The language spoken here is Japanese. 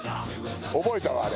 覚えたわあれ。